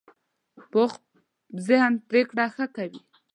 پوخ ذهن پرېکړه ښه کوي